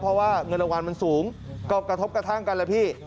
เพราะว่าเงินรางวัลมันสูงก็กระทบกระทั่งกันแหละพี่